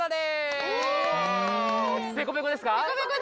ペコペコですか？